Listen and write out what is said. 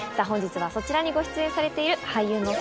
本日はそちらにご出演されている。